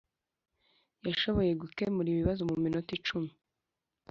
yashoboye gukemura ikibazo muminota icumi.